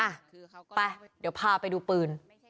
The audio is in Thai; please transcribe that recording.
อ่ะไปเดี๋ยวพาไปดูปืน